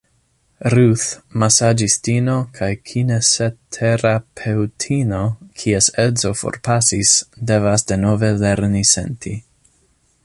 Ruth, masaĝistino kaj kinesiterapeŭtino kies edzo forpasis, devas denove lerni senti.